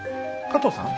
加藤さん？